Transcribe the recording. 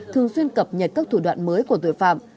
thường xuyên cập nhật các thủ đoạn mới của tội phạm